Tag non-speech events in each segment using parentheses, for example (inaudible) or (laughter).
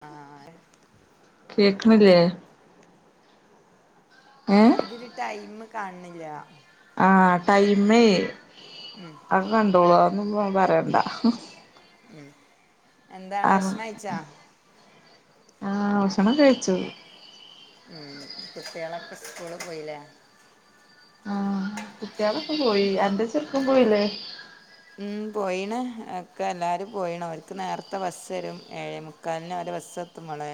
ആ കേക്കുണി ല്ലേ ഇതില് ടൈം കാണണില്ല ആ ടൈംമേ അങ്ങ കണ്ടോളു ഒന്നും പറയണ്ട ഉം എന്താണ് ഭക്ഷണം കഴിച്ചാ ആവ ഷണം കഴിച്ചു ഉം കുട്ടികളൊക്കെ സ്കൂള് പോയില്ലേ കുട്ടി കളൊക്കെ പോയി എന്റെ ചെറക്കും പോയില്ലേ ഉം പോയിണ് ഒക്കെ എല്ലാരും പോയിണ അവർക്ക് നേരത്തെ ബസ് വരും ഏഴേ മുക്കാലിന് അവരെ ബസ് എത്തുമ മോളെ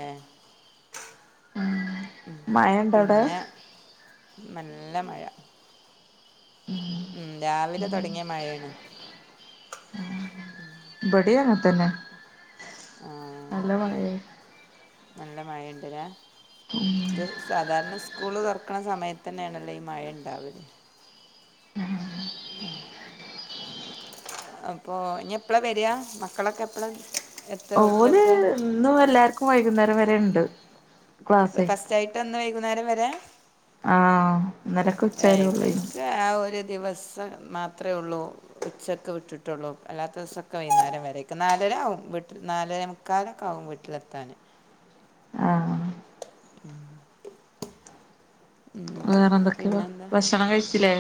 മയണ്ടവിടെ പിന്നെ നല്ല മഴ ഉം രാവിലെ തുടങ്ങിയ മഴയാണ് ഉം ബടിയ ആതന്നെ ആഹ് നല്ല മഴയെ നല്ല മഴയുണ്ട്ല്ലാ ഇ ത് സാധാരണ സ്‌ സ്കൂള് തുറക്കണ സമയത്ത് തന്നെയാണല്ലോ ഈ മഴയ ഉണ്ടാവല് ഉം അപ്പൊ ഇനി എപ്പളാ വരിയാ മക്കളൊക്കെ എപ്പള ഓല് ഇന്നും എല്ലാവർക്കും വൈകുന്നേരം വ രണ്ട് ഫസ്റ്റ് ആയിട്ട് ഇന്ന വൈ ക്കുന്നേരം വരെ ആ ഇന്നലൊക്കെ ഉച്ചവരെള്ളൂയ്നി ഇവർക്ക് ആ ഒരു ദിവസം മാത്രമേ ഉള്ളൂ ഉച്ചൊക്കെ വിട്ടിട്ടുള്ളൂ അല്ലാത്ത ദിവസമൊക്കെ വൈകുന്നേരം വരക്കെ നാലര ആവും വീട്ടിൽ നാലേമുക്കാലൊക്കെ ആകും വീട്ടിലെത്താന് ആ ഉം വേറെ എന്തൊക്കെയ ഭക്ഷണം കഴിച്ചില്ലേ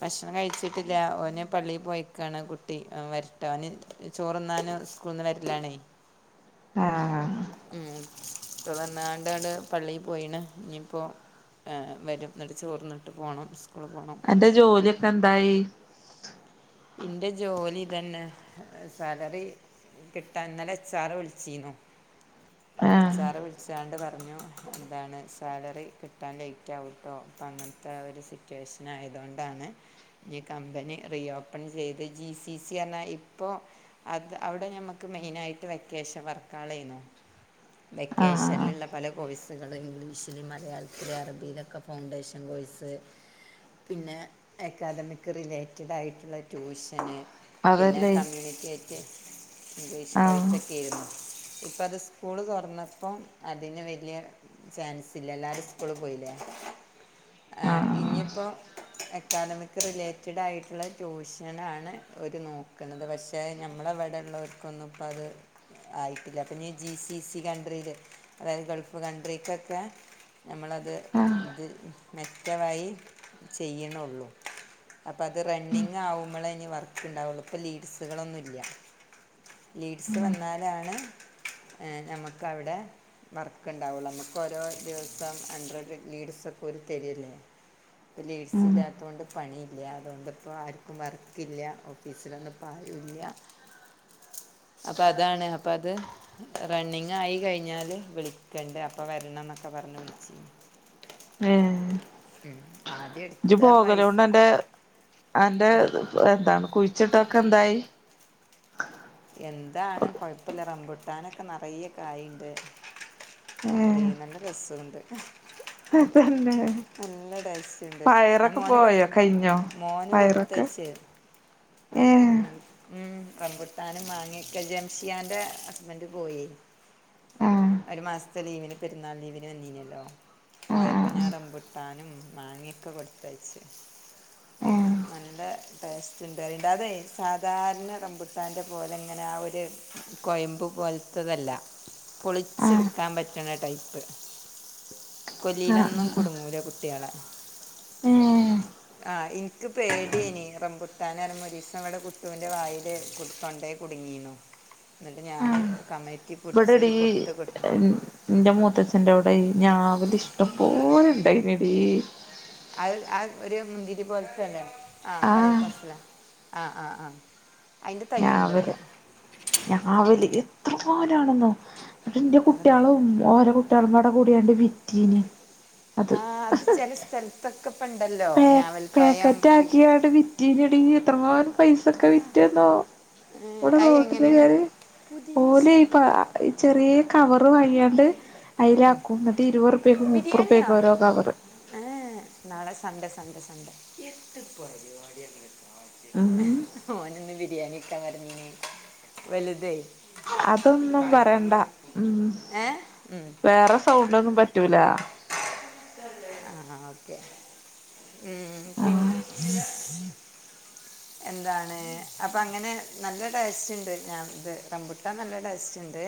ഭക്ഷണം കഴിച്ചിട്ടില്ല ഓന് പള്ളിയിൽ പോയിക്കാണ് കുട്ടി വരട്ടെ അവന് ചോറന്നും സ്കൂളന്ന് വരിലാണേ ആ ഉം ഇപ്പ വന്നാണ്ടടെ പള്ളിയി പോയിണ് ഇനിയിപ്പോ വരും എന്നിട്ട് ചോർന്നിട്ട് പോണം ൽന്റെ ജോലിയൊക്കെ എന്തായി എന്റെ ജോലി തന്നെ സാലറി കിട്ടാല എച്ച് ആർ വിളിച്ചിന്നു ആ എച്ച് ആർ വിളിച്ചാണ്ട് പറഞ്ഞു എന്താണ് സാലറി കിട്ടാൻ ലേറ്റ് ആകട്ടോ അപ്പ അങ്ങനത്തെ ഒരു സിറ്റുവേഷൻ ആയതൊണ്ടാണ് ഈ കമ്പനി റിയ പ്പൺ ചെയ്ത് ജി സി സി തന്ന ഇപ്പോൾ അത് അവിടെ നമുക്ക് മെയിനായിട്ട് വെക്കേഷൻ വർക്ക ആയിരുന്നു ആഹ് വെക്കേഷനിലുള്ള പല കോഴ്സുകൾ ഇംഗ്ലീഷിൽ മലയാളത്തിലൽ അറബിയിലൊക്കെ ഫൗണ്ടേഷൻ കോഴ്സ് പിന്നെ അക്കാദമിക് റിലേറ്റഡ് ആയിട്ടുള്ള ട്യൂഷൻ ആഹ് പിന്നെ അതല്ലേ കമ്മ്യൂണിറ്റി ഒക്കെ ഇംഗ്ലീഷ് ആഹ് കോഴ്സ് ഒക്കെ ആരുന്നു ഇപ്പ അത് സ്കൂള് തുറന്നപ്പോം അതിന് വലിയ ചാൻസ് ഇല്ല എല്ലാവരും സ്കൂള് പോയില്ലേ ആഹ് ഇനിയിപ്പോ അക്കാഡമിക് റിലേറ്റഡ് ആയിട്ടുള്ള ട്യൂഷൻ ഇങ്ങനാണ് ഒരു നോക്കണുന്നത് പക്ഷേ നമ്മള ഇവിടെ ഉള്ളവർക്കൊന്നും ഇപ്പോ അത് ആയിട്ടില്ല അപ്പം ഇ ജി സി സി കൺ്രിയിൽ അതായത് ഗൾഫ് കൺട്രിക്കൊക്കെ നമ്മളത് ആഹ് ഇത് മെച്ചമായിയി ചെയ്യണള്ളു അപ്പൾ അത് റണ്ണിങ് ആകും നമ്മള ഇനി വർക്ക് ഉണ്ടാവുള്ളു ഇപ്പൾ ലീഡ്സുകളൊന്നുമില്ല ലീഡ്സ് വന്നാലാണ് നമുക്കവിടെ വർക്ക് ഉണ്ടാവുള്ളൂ നമുക്ക് ഓരോ ദിവസം ഹൺഡ്രഡ് ലീഡ്സ്ക്കെ ഒരു തരില്ലേ ഇപ്പം ലീഡ്സ് ഉം ഇല്ലാത്ത കൊൊണ്ട് പണിയില്ല അതുകൊണ്ട്പ്പോ ആ വർക്കല്ല ഓഫീസിലൊന്നും പഴില്ല അപ്പൊ അതാണ് അപ്പ അത് റണ്ണിങ് ആയി കഴിഞ്ഞാല് വിളിക്കണ്ട അപ്പൊ വരണം എന്നൊക്കെ പറഞ്ഞ് വിളിച്ച്നി ഏ ഉം ആദ്യ എടുത്ത പൈസ അൻ്റെ എന്താണ് കുഴിച്ചിട്ടൊക്കെ എന്തായി എന്താണ് കൊഴപ്പില്ല റംമ്പുട്ടാനൊക്കെ നിറയ കായുണ്ട് എടെ നല്ല രസവുണ്ട് ഹോ തന്നേ നല്ല ടേസ്റ്റ്ണ്ട് ഞാൻ മോന് കൊടു പോയോ കഴിഞ്ഞോ മോന് പയറൊക്കെ കൊടുത്തയച്ചേ ഏഹ് ഉം ഉം റപുട്ടാനും മാങ്ങി ഒക്കെ ജംഷിയാന്റെ ഹസ്ബന്ഡ് പോയി ആഹ് ഒരു മാസത്തെ ലീവിന് പെരുന്നാൾ ലീവിന് വന്നീനല്ലോ ആഹ് പോയപ്പോ ആഹ് ഞാറംമ്പുട്ടാനും മാങ്ങേക്കെ കൊടുത്തയച്ച് ഏഹ് നല്ല ടേസ്റ്റ്ണ്ട് ഐ അതെ സാധാരണ റംബുട്ടാന്റെ പോലങ്ങനെ കോയമ്പു പോലത്തെ അല്ല ആഹ് പൊളിച്ചടുക്കാൻ പറ്റണ ടൈപ്പ് കൊല്ലിയിലന്നും ആഹ് ആഹ് കുടുങ്ങൂല (unintelligible) ഏഹ് ആ എൻക്ക് പേടിയനി റംകുട്ടാന (unintelligible) (unintelligible) നമ്മുടെ കുട്ടുന്റെ വായില് കുടു തൊണ്ടയിൽ കുടുങ്ങിനു എന്നിട്ട് ഞാന് ക ഇവിടെടി എന്റെ മൂത്തച്ഛൻന്റെ അവിടെ ഞവല് ഇഷ്ടംപോലെ ഉണ്ട എടി അത് ആഹ് ഒരു മുന്തിരി പോലത്തല്ലേ ആഹ് വലക്കസല ആഹ് ആഹ് ആഹ് അയിന്റെ (unintelligible) തയ്യ്ണ്ട് ഞാവല് ഇവിടെ ആഹ് എത്രവാ റ്റാണെന്നോ? ന്റെ തല തൊടക്ക് കുട്ട്യാളും ഓരെ കുട്ട്യാളും (unintelligible) ആ കൂടിയാണ്ട് വിറ്റീന്. ആഹ് അത് ചെല സ്ഥലത്തൊക്കെപ്പോണ്ടല്ലോ പേ ഞാവൽപ്പയം വിക്ക് ഡീ എത്ര പവനാ? പൈസൊക്ക വിറ്റ്ന്നോ? ഏഹ് ഇവിടെ അത് റോട്ടില് എങ്ങനേണ് കേറി പുതിയ ഓല് ഇപ്പ ഷർട്ട് അ ചെറിയ കവറ് വാങ്ങിയാണ്ട് അയിലാക്കും എന്നിട്ട് ഇരുപറുപ്യക്കും ബിരിയാണിയോ മുപ്പറുപ്യക്കും ഓരോ കവറ്. Sunday Sunday. ഉം ഓനിന്ന് ബിരിയാണി വലുതെ അതൊന്നും പറയണ്ട ഉം ഏ ഉം. വേറെ സൗണ്ടൊന്നും പറ്റ് റ്റൂലാ. ആഹ് ഓക്കെ. ഉം പിൻ ആഹ് എന്താണ് അപ്പ അങ്ങനെ നല്ല ടേസ്റ്റ്ണ്ട് ഞാൻ ഇത് റമ്പുട്ടാൻ നല്ല ടേസ്റ്റ്ണ്ട്.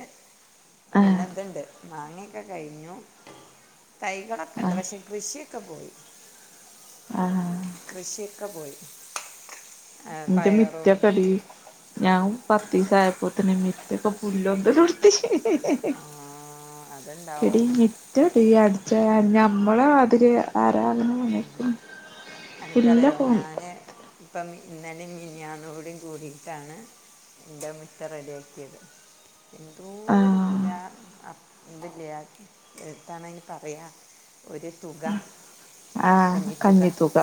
പിന്നെ ആഹ് എന്ത്ണ്ട്? മാങ്ങക്കെ കഴിഞ്ഞു. തൈകളൊക്കെണ്ട് ആഹ് പക്ഷേ കൃഷിയൊക്കെ പോയി. അഹ് ആഹ്. കൃഷിക്കെ പോയി. ആ, ഇന്റെ പയറും മിറ്റക്കടി നാം പത്തിസായപ്പോത്ത്ന് മിറ്റൊക്കെ പുല്ലൊന്തൊലൊട്ത്തി. ആ, എടി അതുണ്ടാവും മിറ്റടി അട്ച്ച് ഏ ഞമ്മളെ മാതിരി ആരാന്നും (unintelligible) അനക്കറിയോ ഞാന് ഇപ്പം മി ഇന്നലേം മിനിയാന്നോടിം കൂടിട്ടാണ് ൻ്റെ മുറ്റം റെഡിയാക്കിത്. എന്തോ ഒരു ആഹ് പുലാ ഇത്ല്ലേ എത്താണൈന് പറയാ ഒരു തുക. ആ കഞ്ഞിത്തുക.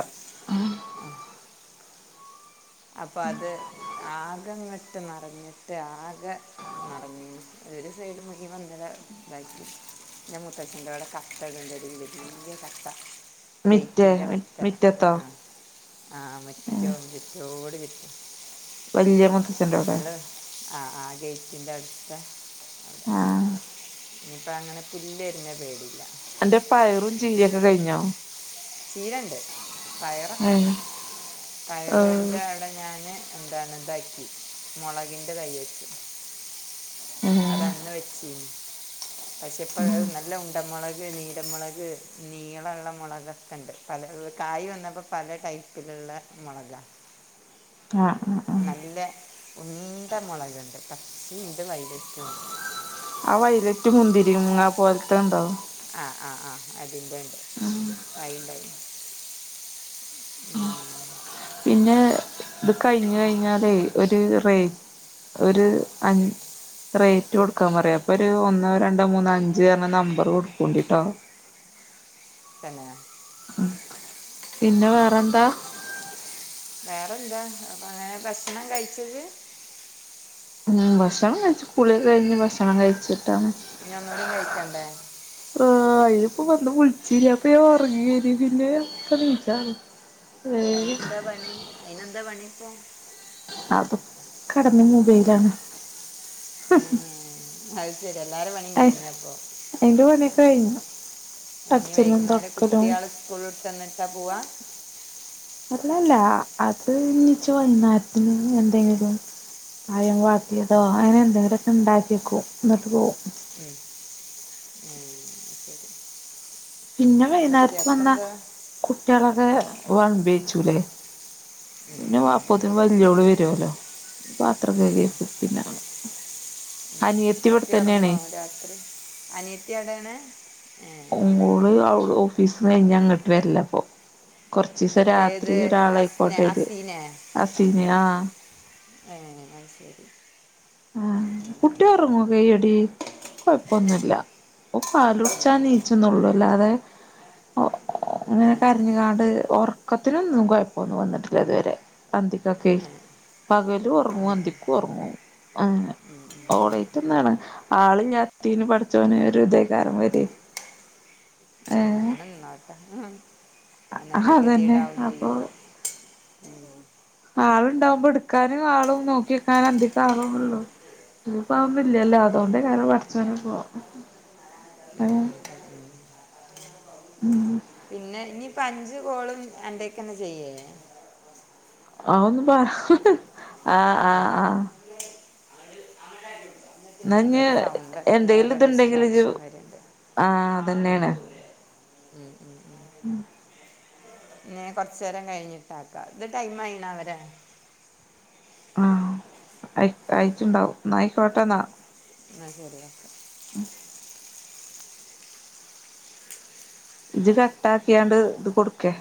അപ്പ അത് ആകെങ്ങട്ട് നർഞ്ഞ്ട്ട് ആകെ നറഞ്ഞീന്നു. ഒരു സൈഡ് മുയുവൻ ഇന്നലെ ഇതാക്കി. ന്റെ മൂത്തച്ഛന്റൊടെ കട്ടട്ണ്ടെടീ. വല്യ കട്ട. മിറ്റേ ഗേറ്റിന്റെ അവ്ട്ത്തെ മിറ്റത്തോ അ ആഹ് മറ്റ റോഡ് വിരിക്ക വല്യ മുത്തച്ഛന്റോടെ നല്ല ആഹ് ആഹ് ഗേറ്റിന്റെ അട് (unintelligible) ആഹ് ഇനിയിപ്പ അങ്ങനെ പുല്ലെര്ണ പേടില്ലാ അന്റെ പയറും ചീരെക്കെ കയ്ഞ്ഞോ ചീരണ്ട് പയറൊക്കെ പോയ് ഏഹ് ആഹ് പയറ്ന്റെ അവ്ടെ ഞാന് എന്താണ് താക്കി മാെളക്ൻ്റെ തയ്യെച്ച് ഏഹ് അതന്ന് വെച്ചി പഷെ ഇപ്പോ അ ഉം അത് നല്ല ഉണ്ടമൊളക് നീലമൊളക് നീളള്ള മൊളക ക്കെണ്ട് പല കായ് വന്നപ്പം പല ടൈപ്പില്ള്ള മൊളകാ ആഹ ആഹ ഉണ്ട മുളകുണ്ട് പച്ചി ഇണ്ട് വൈലറ്റ് ഉണ്ട് ആ വൈലറ്റ് മുന്തിരി ആ പോലത്തെ ഉണ്ടാവും ആഹ് ആഹ് ആഹ അതിന്ത ഉണ്ട് കൈണ്ടായി ഉ പിന്നെ ഇത് കഴിഞ്ഞ കഴിഞ്ഞാലേ ഒരു റേ ഒരു അഞ് റേറ്റ് കൊടുക്കാൻ പറയാ അപ്പൊ ഒരു ഒന്നോ രണ്ടോ മൂന്നോ അഞ്ച് എന്ന നമ്പർ കൊടുക്കണ്ടിട്ടോ പിന്ന ഉ പിന്നെ വേറെന്താ വേറെന്താ അപ്പൊ അങ്ങ ഭക്ഷണം കഴിച്ചത് ഉ ഭക്ഷണം കഴിച്ചു പുളിക കഴിഞ്ഞ് ഭക്ഷണം കഴിച്ചു ഇനി ഒന്നുകൂടി കഴിക്കണ്ടേ ആ അയിപ്പ വന്ന് വിളിച്ചിയാ അ ഉർഗിയ പിന്നെ ഒക്ക വിച്ചാണ് അയിന് എന്താ പേണി അയിന് എന്താ പേണി ഇപ്പോ അത് കടന്ന മബൈയിലാണ് (unintelligible) (unintelligible) എല്ലാരും പേണ കഴിഞ്ഞപ്പൊ കഴിഞ്ഞ് ഇനി വൈകുന്നേരം കുട്ടികള് സ്കൂൾ ന്നിട്ടാ പോവാ അല്ലല്ല അത് ഇച്ച് വൈകുന്നേരത്തിന് എന്തെങ്കിലും (unintelligible) അങ്ങനെ എന്തെങ്കിലും ഉണ്ടാക്കിയ വക്കും എന്നിട്ട് പോകവും ഉം ഉ ശരി പിന്നെ എന്താ വൈന്നേര്ത്ത് വന്നാ പുതിയാപ്പിളെന്താ കുട്ട്യേളൊക്കെ അഹ്‌ വൾബി ബേയ്ച്ചുലേ പിന്നെ അപ്പോത്തിൻ വല്യോള് വര്വോല്ലോ ഉം ഉം ഉം അനിയത്തി ഇവിടെ കുട്ടി ഒർങ്ങോ തന്നെയാണേ രാത്രി അനിയത്തി അയുടെയാണ് ഉം ഓള് അയു ഓഫീസിന്ന് കയിഞ്ഞാ ങ്ങട്ട് വര്ലാ ഇപ്പോ കൊർച്ചിസം രാത്രി ഏത് അസ്നെ ഒരാളായ്ക്കോട്ടെ ത് അസീനെ അസീന്യോ ആ ആ ഏ അയ്ശെരി ആ കുട്ട്യ ഒർങ്ങും വേം എടി ഏ, കൊയപ്പൊന്നൂല്യാ ഓൻ പാലുട്ച്ചാൻ നീച്ചുംന്നൊള്ളൂ അല്ലാതെ ഹ് ഇങ്ങനെ ഉം. കരഞ്ഞ്കാണ്ട് ഒർ ക്കത്തിനൊന്നും കൊയപ്പൊന്നും വന്നിട്ടില്ല ഇത് വരെ അന്തിക്കൊക്കെയ് പകലും ഒർങ്ങും അന്തിക്കും ഒർങ്ങും എ ഓളെയ്ട്ട് ന്നാണ് ആൾ ഇല്ലാത്തീൻ പടച്ചോനെ ഒര് ദ്എയ്ക്കാരം വരേ ഏ ന്നോട്ടെ അ അ അതെന്നെ അപ്പൊ ഉം ആള്ണ്ടാവുമ്പോ ഇട്ക്കാനും ആളും നോക്കിക്കാനും എന്തൊക്കാ ആളുംള്ളോ ഇതിപ്പോ ഒന്നും ഇല്ലല്ലോ അതോണ്ടെയിക്കാരം പട്ച്ചോൻ ഇപ്പോ ഉം ഉം ഇപ്പ അഞ്ച് കോളും അൻ്റെയ്ക്കെന്നെ ചെയ്യേ അഹ്‌ ഒന്നും പർ ആ ആ ആ ഇഞ്ഞ് ഇവടെ സൗണ്ട് ഒക്കെ എന്തെങ്കിലും വേറെ ഇതുണ്ടെങ്കില് ഇജ്ജ് ഡിസ്ട്രാക്ഷൻ വെര്ണ്ട് ആഹ് അതന്നെയാണ് ഉം ഉം ഉം ഞ് കൊർച്ചേരം കയിഞ്ഞ്ട്ടാക്ക ഇത് ടൈം ആയിനാവോ ലെ ആ ആയ് ആയിട്ട്ണ്ടാവും ന്നാ ആയിക്കോട്ടെന്നാ ന്നാ ശരിയേ ഉം ഇജ് കട്ടാക്കിയാണ്ട് ത് കൊടുക്കേ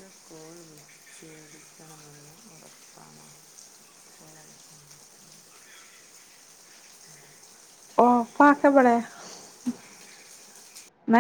(unintelligible) കോൾ വിച്ഛേദിക്കണമെന്ന് ഉറപ്പാണ് കോ ഓഫ് ആക്കാ ഇവടെ